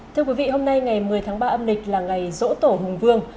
thưa quý vị hôm nay ngày một mươi tháng ba âm lịch là ngày rỗ tổ hùng vương